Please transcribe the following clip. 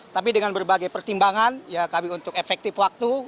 tapi dengan berbagai pertimbangan ya kami untuk efektif waktu